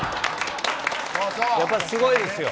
やっぱりすごいですよ。